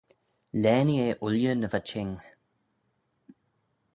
Laanee eh ooilley ny va çhing.